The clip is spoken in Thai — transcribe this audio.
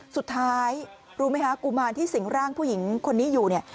สุดท้ายรู้ไหมคะกุมารที่สิงร่างผู้หญิงคนนี้อยู่เนี่ย